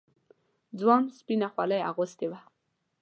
ځوان سپينه خولۍ اغوستې وه.